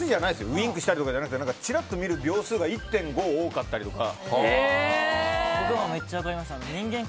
ウインクしたりとかじゃなくてちらっと見る秒数が１．５多かったりとか。